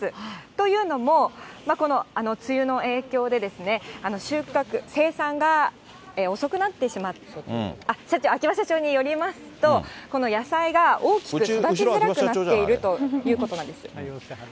というのも、この梅雨の影響で、収穫、生産が遅くになってしまって、あきば社長によりますと、この野菜が大きく育ちづらくなっている後ろ、社長じゃない？